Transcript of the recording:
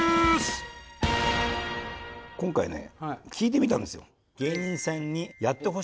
今回ね聞いてみたんですよ。